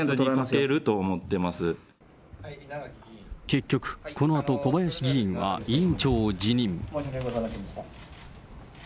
結局、このあと、小林議員は委員長を辞任。